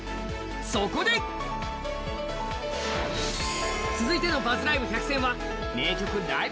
そこで続いての「バズライブ１００選」は「名曲ライブ！